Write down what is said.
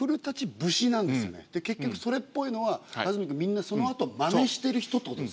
結局それっぽいのは安住くんみんなそのあとまねしてる人ってことですね。